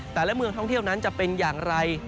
แต่ละเมืองท่องเที่ยวนั้นจะเป็นอย่างไร